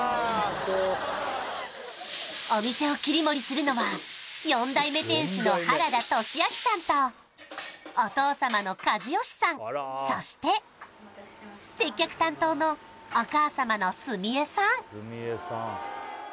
お店を切り盛りするのは４代目店主の原田俊明さんとお父様の和佳さんそして接客担当のお母様の純江さん